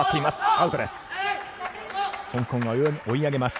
アウトです。